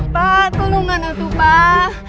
pak tolong jangan begitu pak